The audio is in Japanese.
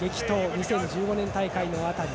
２０１５年大会の辺り。